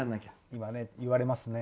今、言われますね。